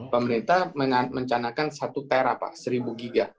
pemerintah mencanakan satu tera seribu giga